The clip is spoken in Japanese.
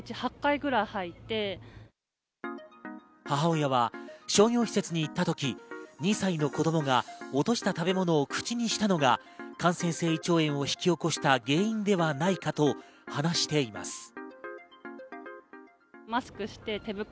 母親は商業施設に行った時、２歳の子供が落とした食べ物を口にしたのが感染性胃腸炎を引き起こした原因ではないかと話しています。